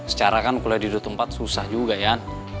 secara kan kuliah di dua tempat susah juga ya